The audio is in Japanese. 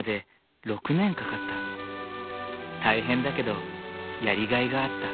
大変だけどやりがいがあった。